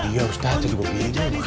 iya gue sudah aja di bupi